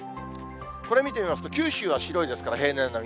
これ見てみますと、九州は白いですから、平年並み。